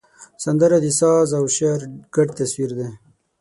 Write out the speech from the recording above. سندره د ساز او شعر ګډ تصویر دی